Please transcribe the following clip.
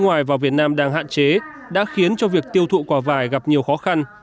nước ngoài vào việt nam đang hạn chế đã khiến cho việc tiêu thụ quả vải gặp nhiều khó khăn